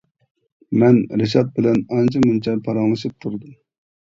مەن رىشات بىلەن ئانچە-مۇنچە پاراڭلىشىپ تۇردۇم.